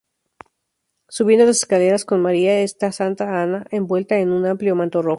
Subiendo las escaleras con María está santa Ana, envuelta en un amplio manto rojo.